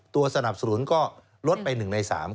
ตัวสนับสนุนก็ลดไปหนึ่งในสาม